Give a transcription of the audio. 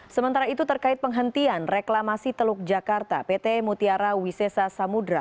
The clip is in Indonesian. sementara itu terkait penghentian reklamasi teluk jakarta pt mutiara wisesa samudera